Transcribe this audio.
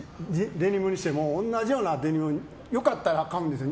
デニムにしても同じようなデニム良かったら買うんです